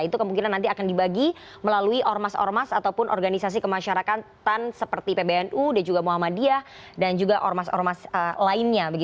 itu kemungkinan nanti akan dibagi melalui ormas ormas ataupun organisasi kemasyarakatan seperti pbnu dan juga muhammadiyah dan juga ormas ormas lainnya